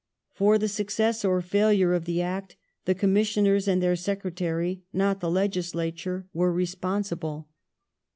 For the success or failure of the Act the Commissioners and their Secretary, not the legislature, were responsible.